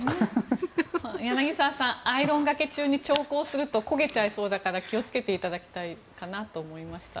柳澤さん、アイロンがけ中に長考すると焦げちゃいそうだから気をつけていただきたいかなと思いました。